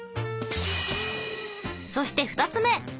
そして２つ目！